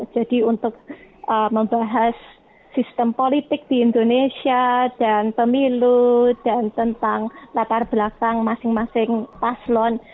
jadi untuk membahas sistem politik di indonesia dan pemilu dan tentang latar belakang masing masing paslon